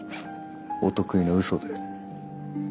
お得意の嘘で。